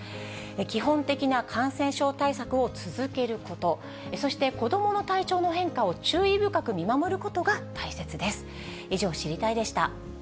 基本的な感染症対策を続けること、そして、子どもの体調の変化を注意深く見守ることが大切です。